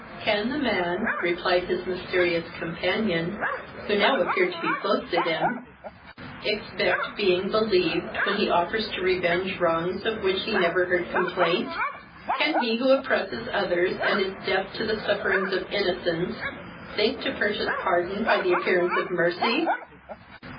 "Can the man (replied his mysterious companion, who now appeared to be close to him) expect being believed when he offers to revenge wrongs of which he never heard complaint? Can he who oppresses others, and is deaf to the sufferings of innocence, think to purchase pardon by the appearance of mercy?